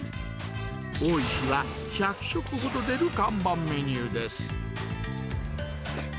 多い日は１００食ほど出る看板メニューです。